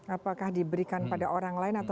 apakah diberikan pada orang lain